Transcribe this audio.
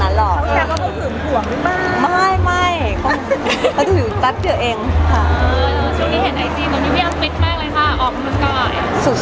ท่านน่าคิดแม่งอะไรค่ะออกพรุ่งกลาย